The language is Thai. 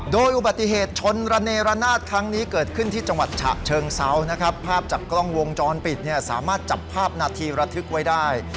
โดยอุบัติเหตุชนระเนรนาศครั้งนี้เกิดขึ้นที่จังหวัดฉะเชิงเซานะครับภาพจากกล้องวงจรปิดเนี่ยสามารถจับภาพนาทีระทึกไว้ได้